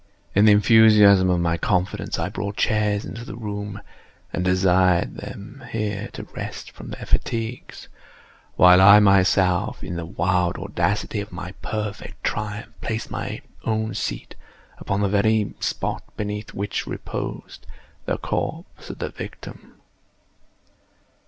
In the enthusiasm of my confidence, I brought chairs into the room, and desired them here to rest from their fatigues, while I myself, in the wild audacity of my perfect triumph, placed my own seat upon the very spot beneath which reposed the corpse of the victim.